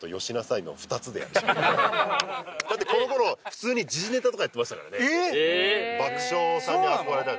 だってこの頃普通に時事ネタとかやってましたからね。